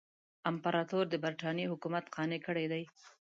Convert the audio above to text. امپراطور د برټانیې حکومت قانع کړی دی.